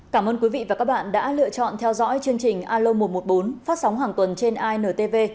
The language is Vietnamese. cảm ơn quý vị và các bạn đã lựa chọn theo dõi chương trình alo một trăm một mươi bốn phát sóng hàng tuần trên intv